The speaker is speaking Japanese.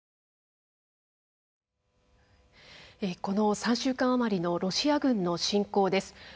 この３週間余りのロシア軍の侵攻です。